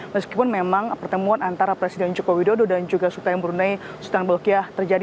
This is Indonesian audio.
meskipun memang pertemuan antara presiden jokowi dodo dan juga sultan brunei sultan al balkiyah terjadi